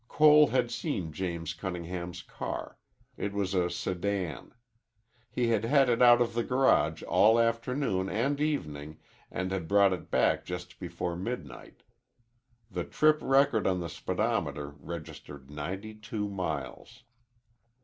Cole had seen James Cunningham's car. It was a sedan. He had had it out of the garage all afternoon and evening and had brought it back just before midnight. The trip record on the speedometer registered ninety two miles.